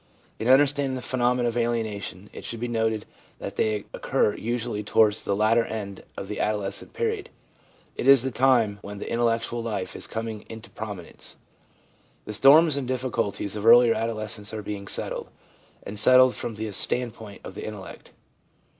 In understanding the phenomena of alienation it should be noted that they occur usually towards the latter end of the adolescent period ; it is the time when the intellectual life is coming into prominence. The storms and difficulties of earlier adolescence are being settled, and settled from the standpoint of the intellect.